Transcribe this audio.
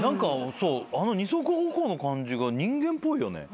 あの二足歩行の感じが人間っぽいよね。